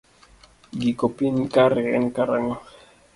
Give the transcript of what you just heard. Giko piny kare en karang'o?